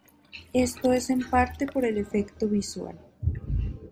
Esto es en parte por el efecto visual.